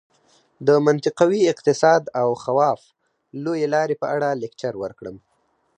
د منطقوي اقتصاد او خواف لویې لارې په اړه لکچر ورکړم.